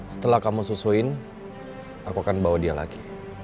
setelah kamu susuin aku akan bawa dia lagi